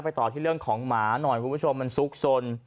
ไปต่อที่เรื่องของหมาหน่อยมันซุกซน